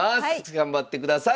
頑張ってください。